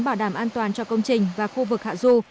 bảo đảm an toàn cho công trình và khu vực hạ du